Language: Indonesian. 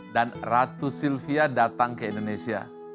dan ratu sylvia datang ke indonesia